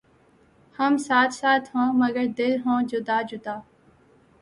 ھم ساتھ ساتھ ہوں مگر دل ہوں جدا جدا